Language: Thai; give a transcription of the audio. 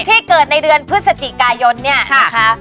ที่เกิดในเดือนพฤศจิกายนเนี่ยนะคะ